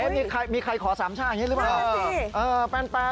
มีใครขอสามชาติอย่างนี้หรือเปล่า